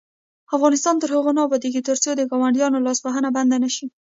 افغانستان تر هغو نه ابادیږي، ترڅو د ګاونډیانو لاسوهنه بنده نشي.